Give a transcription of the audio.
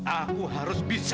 aku harus bisa